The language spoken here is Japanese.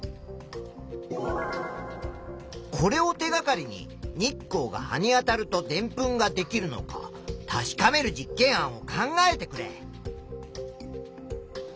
これを手がかりに日光が葉にあたるとでんぷんができるのか確かめる実験案を考えてくれ。